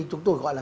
chúng tôi gọi là